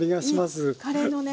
カレーのね